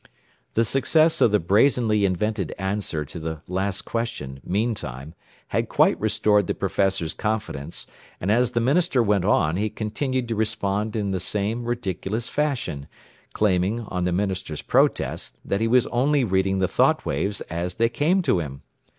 The success of the brazenly invented answer to the last question, meantime, had quite restored the professor's confidence, and as the minister went on, he continued to respond in the same ridiculous fashion, claiming, on the minister's protest, that he was only reading the thought waves as they came to him.